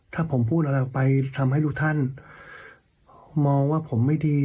ถ้าผมพูดอะไรออกไปทำให้ทุกท่านมองว่าผมไม่ดี